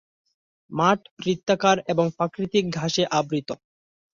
মাঠ বৃত্তাকার এবং প্রাকৃতিক ঘাসে আবৃত।